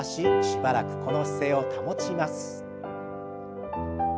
しばらくこの姿勢を保ちます。